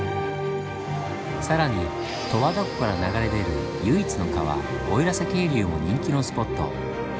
更に十和田湖から流れ出る唯一の川奥入瀬渓流も人気のスポット。